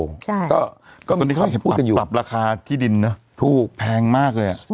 ใช่ตอนนี้เขาเห็นปรับราคาที่ดินเนอะแพงมากเลยอ่ะอืมมากจัง